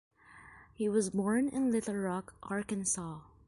He was born in Little Rock, Arkansas.